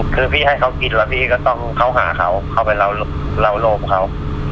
คือพี่ให้เขากินแล้วพี่ก็ต้องเข้าหาเขาเข้าไปเราโลภเขา